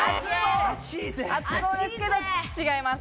熱そうですけど、違います。